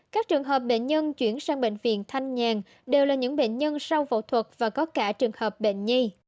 các trường hợp bệnh nhân chuyển sang bệnh viện thanh nhàn đều là những bệnh nhân sau phẫu thuật và có cả trường hợp bệnh nhi